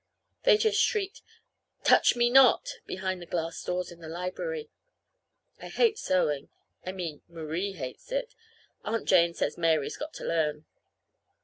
They just shrieked, "Touch me not!" behind the glass doors in the library. I hate sewing. I mean Marie hates it. Aunt Jane says Mary's got to learn.